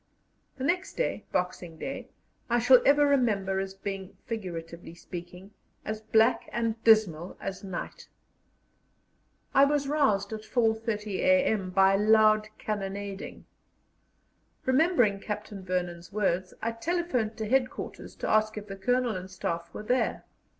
The next day, Boxing Day, I shall ever remember as being, figuratively speaking, as black and dismal as night. I was roused at 4.30 a.m. by loud cannonading. Remembering Captain Vernon's words, I telephoned to Headquarters to ask if the Colonel and Staff were there.